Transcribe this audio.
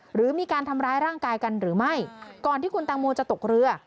หรือมีการทำร้ายร่างกายกันหรือไม่ก่อนที่คุณตังโมจะตกเรือ